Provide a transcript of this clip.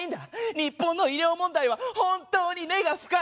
日本の医療問題は本当に根が深い！